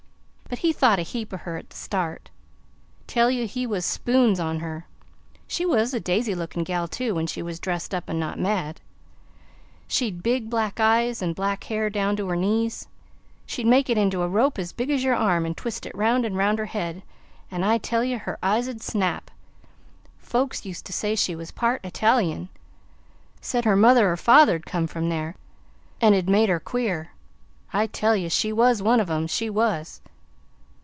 But he thought a heap o' her at the start. Tell you, he was spoons on her. She was a daisy lookin' gal, too, when she was dressed up 'n' not mad. She'd big black eyes 'n' black hair down to her knees; she'd make it into a rope as big as your arm, and twist it 'round 'n' 'round her head; 'n' I tell you her eyes 'd snap! Folks used to say she was part _I_tali un said her mother or father 'd come from there, 'n' it made her queer. I tell ye, she was one of 'em she was!"